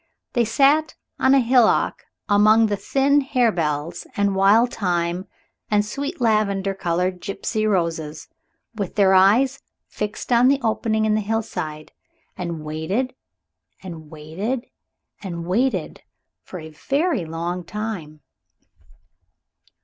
They sat on a hillock among the thin harebells and wild thyme and sweet lavender colored gipsy roses, with their eyes fixed on the opening in the hillside, and waited and waited and waited for a very long time.